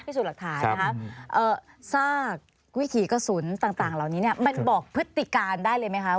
พิสูจน์หลักฐานนะคะซากวิถีกระสุนต่างเหล่านี้เนี่ยมันบอกพฤติการได้เลยไหมคะ